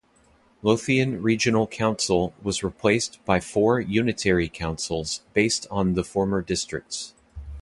Lothian Regional Council was replaced by four unitary councils based on the former districts.